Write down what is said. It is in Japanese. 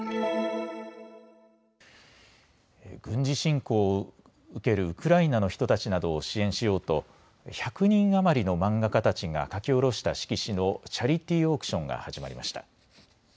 軍事侵攻を受けるウクライナの人たちなどを支援しようと１００人余りの漫画家たちが描き下ろした色紙のチャリティーオークションが始まりました。